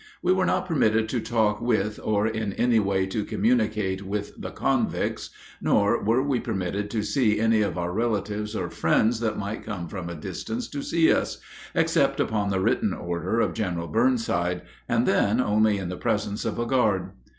We were not permitted to talk with or in any way to communicate with the convicts, nor were we permitted to see any of our relatives or friends that might come from a distance to see us, except upon the written order of General Burnside, and then only in the presence of a guard.